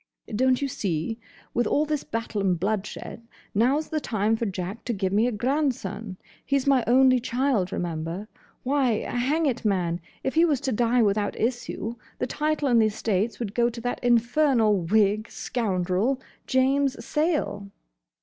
"Don't you see? With all this battle and bloodshed, now's the time for Jack to give me a grandson. He 's my only child, remember. Why, hang it, man, if he was to die without issue, the title and the estates would go to that infernal whig scoundrel, James Sayle."